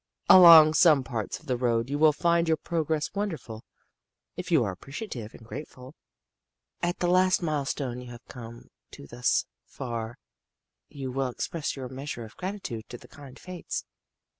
Along some parts of the road you will find your progress wonderful. If you are appreciative and grateful, at the last milestone you have come to thus far you will express your measure of gratitude to the kind fates.